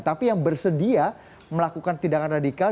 tapi yang bersedia melakukan tindakan radikal